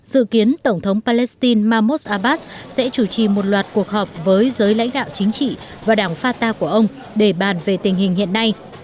dự kiến tổng thống palestine mahmos abbas sẽ chủ trì một loạt cuộc họp với giới lãnh đạo chính trị và đảng fatah của ông để bàn về tình hình hiện nay